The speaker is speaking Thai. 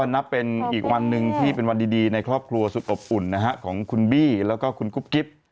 นับเป็นอีกวันหนึ่งที่เป็นวันดีในครอบครัวสุดอบอุ่นนะฮะของคุณบี้แล้วก็คุณกุ๊บกิ๊บ